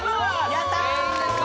やったー！